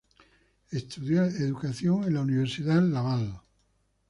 Estudió Educación en la Universidad Laval.